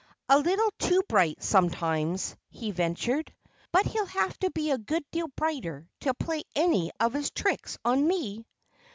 "A little too bright, sometimes," he ventured. "But he'll have to be a good deal brighter to play any of his tricks on me."